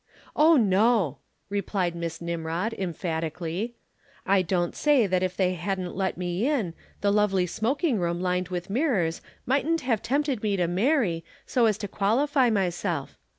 "Oh no," replied Miss Nimrod emphatically. "I don't say that if they hadn't let me in, the lovely smoking room lined with mirrors mightn't have tempted me to marry so as to qualify myself.